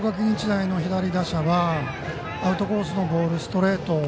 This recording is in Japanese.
日大の左打者はアウトコースのボールストレート